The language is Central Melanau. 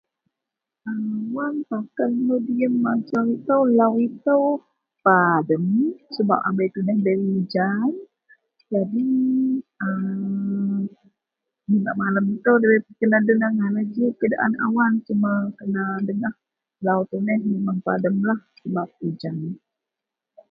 Awan takan melou diyem ajau itou lau itou padem sebap abei tuneh bei ujan. Jadi [ermmm] gak malem itou debei kena den angai lah ji keadaan awan cuma kena dengah lau tuneh memang pademlah sebap ujan